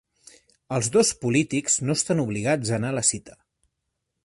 Els dos polítics no estan obligats a anar a la cita